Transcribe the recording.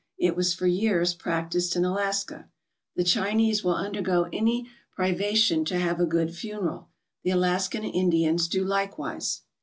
It was for years practised in Alaska. The Chinese will undergo any privation to have a good funeral. The Alaskan Indians do likewise.